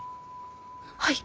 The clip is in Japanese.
はい。